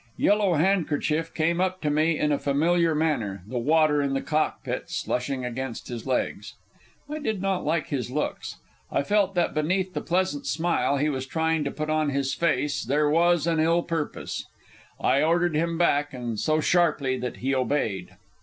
Yellow Handkerchief came up to me in a familiar manner, the water in the cockpit slushing against his legs. I did not like his looks. I felt that beneath the pleasant smile he was trying to put on his face there was an ill purpose. I ordered him back, and so sharply that he obeyed.